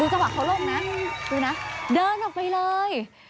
ดูจังหวะเขาโลกนั้นดูนะเดินออกไปเลย